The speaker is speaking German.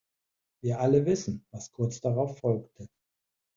Wir alle wissen, was kurz darauf folgte.